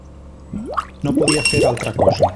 No podia fer altra cosa.